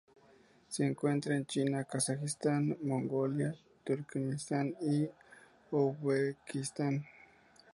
Se encuentra en China, Kazajistán, Mongolia, Turkmenistán y Uzbekistán.